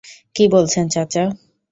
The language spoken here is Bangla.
কী বলছেন চাচা?